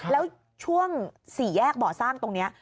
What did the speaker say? แล้วช่วง๔แยกบ่อสร้างตรงนี้